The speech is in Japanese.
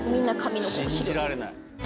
信じられない。